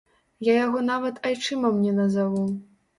Я яго нават айчымам не назаву.